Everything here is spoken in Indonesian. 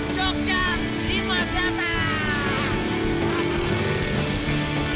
jogja imas datang